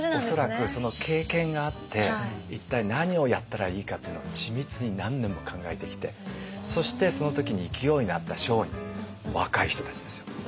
恐らくその経験があって一体何をやったらいいかというのを緻密に何年も考えてきてそしてその時に勢いがあった商人若い人たちですよ